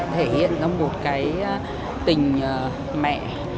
thể hiện ra một tình mẹ